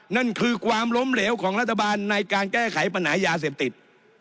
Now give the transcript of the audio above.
นั่นคือความล้มเหลวของรัฐบาลในการแก้ไขปัญหายาเสพติด